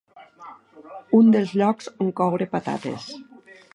Un dels llocs on coure patates.